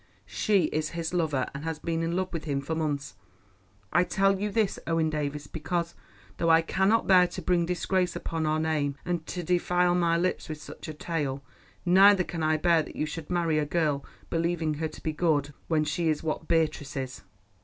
"She is his lover, and has been in love with him for months. I tell you this, Owen Davies, because, though I cannot bear to bring disgrace upon our name and to defile my lips with such a tale, neither can I bear that you should marry a girl, believing her to be good, when she is what Beatrice is."